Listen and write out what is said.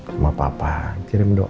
sama papa kirim doa